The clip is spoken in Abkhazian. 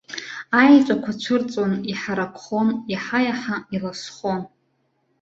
Аеҵәақәа цәырҵуан, иҳаракхон, иаҳа-иаҳа иласхон.